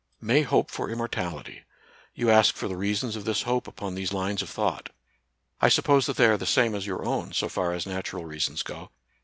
" May hope for immortality." You ask for the reasons of this hope upon these lines of thought. I suppose that they are the same as your own, so far as natural reasons go.